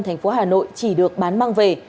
tp hcm chỉ được bán mang về